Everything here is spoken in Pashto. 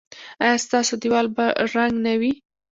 ایا ستاسو دیوال به رنګ نه وي؟